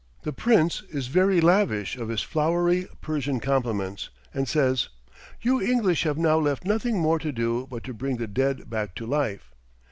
The Prince is very lavish of his flowery Persian compliments, and says, "You English have now left nothing more to do but to bring the dead back to life."